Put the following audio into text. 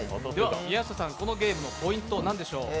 宮下さん、このゲームのポイント、何でしょう？